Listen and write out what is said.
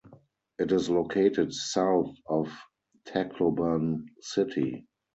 It is located south of Tacloban City.